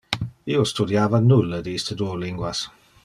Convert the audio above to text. Io studiava nulle de iste duo linguas.